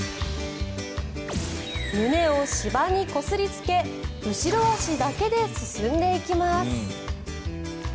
胸を芝にこすりつけ後ろ足だけで進んでいきます。